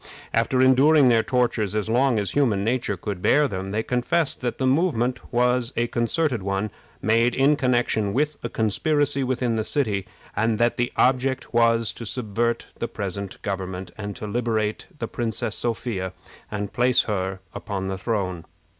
After enduring their tortures as long as human nature could bear them, they confessed that the movement was a concerted one, made in connection with a conspiracy within the city, and that the object was to subvert the present government, and to liberate the Princess Sophia and place her upon the throne.